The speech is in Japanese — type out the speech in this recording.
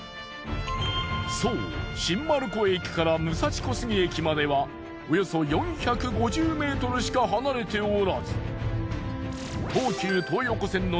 そう新丸子駅から武蔵小杉駅まではおよそ４５０ｍしか離れておらず。